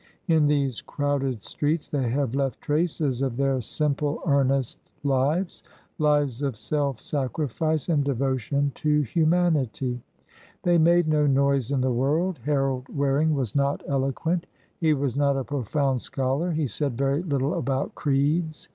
In these crowded streets they have left traces of their simple, earnest lives lives of self sacrifice and devotion to humanity. They made no noise in the world. Harold Waring was not eloquent; he was not a profound scholar; he said very little about creeds.